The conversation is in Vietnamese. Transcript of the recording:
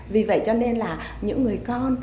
vì vậy cho nên là những người con